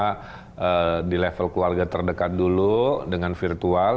karena di level keluarga terdekat dulu dengan virtual